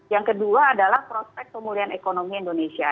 yang kedua adalah prospek pemulihan ekonomi indonesia